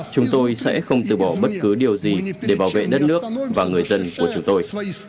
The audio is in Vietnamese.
chúng tôi sẽ không từ bỏ bất cứ điều gì để bảo vệ đất nước và người dân của chúng tôi